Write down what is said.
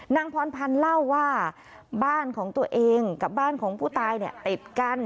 นางพรพันธ์เล่าว่าบ้านของตัวเองกับบ้านของผู้ตายเนี่ยติดกัน